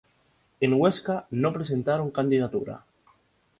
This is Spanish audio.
En Huesca no presentaron candidatura.